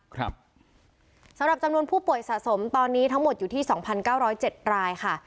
ครับสำหรับจำนวนผู้ป่วยสะสมตอนนี้ทั้งหมดอยู่ที่สองพันเก้าร้อยเจ็ดรายค่ะ